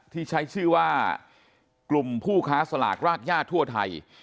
ที่ใช้ชื่อว่ากลุ่มผู้ค้าสลากรากย่าทั่วไทย